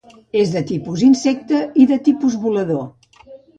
És de tipus insecte i de tipus volador.